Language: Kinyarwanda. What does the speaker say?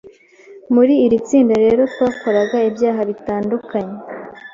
muri iritsinda rero twakoraga ibyaha bitandukanye